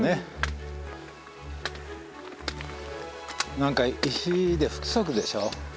何か石で不規則でしょ。